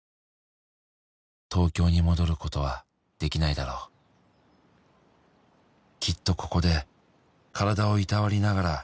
「東京に戻ることはできないだろう」「きっとここで体をいたわりながら」